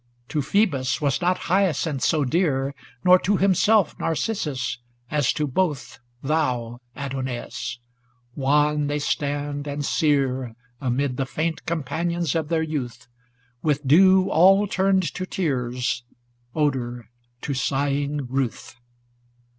To Phcebus was not Hyacinth so dear, Nor to himself Narcissus, as to both Thon, Adonais; wan they stand and sere Amid the faint companions of their youth, With dew all turned to tears; odor, to sighing ruth.